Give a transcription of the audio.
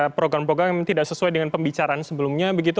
ada program program yang tidak sesuai dengan pembicaraan sebelumnya begitu